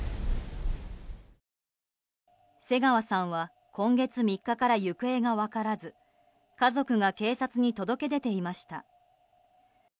瀬川さんは今月３日から行方が分からず家族が警察に届け出ていました。